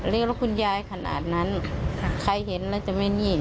เรียกรถคุณยายขนาดนั้นใครเห็นแล้วจะไม่นี่